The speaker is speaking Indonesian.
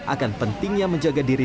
akan pentingnya menjaga diri